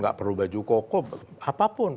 gak perlu baju koko apapun